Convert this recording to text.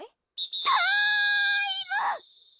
ターイム！